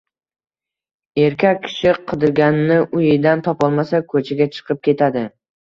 Erkak kishi qidirganini uyidan topolmasa, ko‘chaga chiqib ketadi.